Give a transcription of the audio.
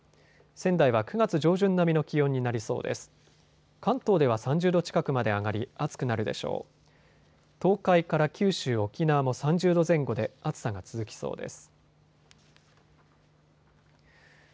仙台は９月上旬並みの気温になりそうです。